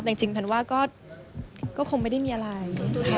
แต่จริงแพนว่าก็คงไม่ได้มีอะไร